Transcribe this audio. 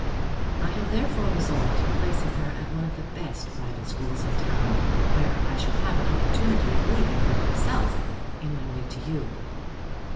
I have therefore resolved on placing her at one of the best private schools in town, where I shall have an opportunity of leaving her myself in my way to you.